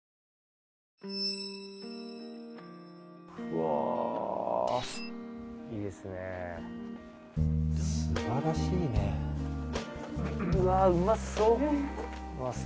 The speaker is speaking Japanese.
・うわいいですね・・素晴らしいね・うわうまそう。